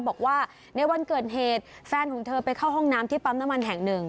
บอกว่าในวันเกิดเหตุแฟนของเธอไปเข้าห้องน้ำที่ปั๊มน้ำมันแห่งหนึ่ง